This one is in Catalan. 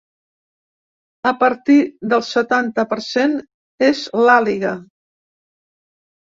A partir del setanta per cent és l’àliga.